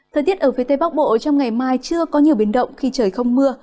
thời tiết ở phía tây bắc bộ trong ngày mai chưa có nhiều biến động khi trời không mưa